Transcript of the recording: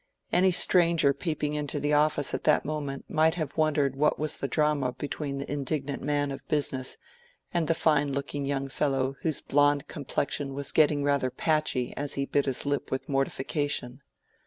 Any stranger peeping into the office at that moment might have wondered what was the drama between the indignant man of business, and the fine looking young fellow whose blond complexion was getting rather patchy as he bit his lip with mortification.